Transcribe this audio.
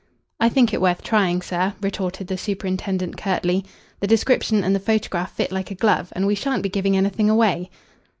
"I think it worth trying, sir," retorted the superintendent curtly. "The description and the photograph fit like a glove and we shan't be giving anything away."